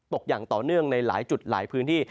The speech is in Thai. อย่างต่อเนื่องในหลายจุดหลายพื้นที่